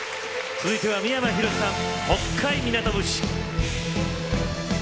続いては三山ひろしさん「北海港節」。